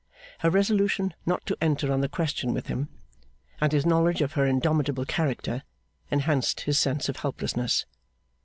Her resolution not to enter on the question with him, and his knowledge of her indomitable character, enhanced his sense of helplessness.